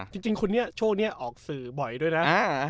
จริงคนนี้ช่วงนี้ออกสื่อบ่อยด้วยนะ